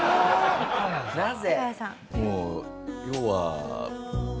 なぜ？